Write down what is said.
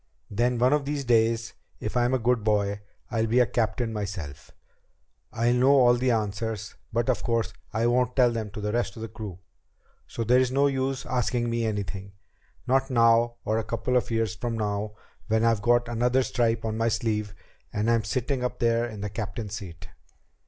Then one of these days, if I'm a good boy, I'll be a captain myself. I'll know all the answers, but of course I won't tell them to the rest of the crew. So there's no use asking me anything not now or a couple of years from now when I've got another stripe on my sleeve and am sitting up there in the captain's seat."